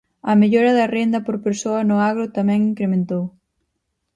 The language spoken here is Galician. A mellora da renda por persoa no agro tamén incrementou.